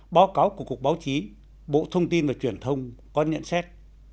báo cáo của cục báo chí bộ thông tin và truyền thông có nhận xét